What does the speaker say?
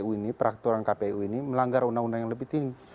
bahwa peraturan pkpu ini melanggar undang undang yang lebih tinggi